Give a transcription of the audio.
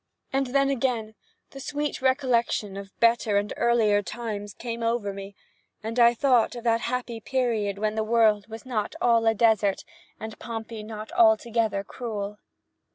And then again the sweet recollection of better and earlier times came over me, and I thought of that happy period when the world was not all a desert, and Pompey not altogether cruel.